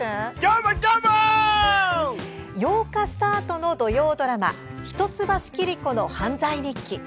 ８日スタートの土曜ドラマ「一橋桐子の犯罪日記」。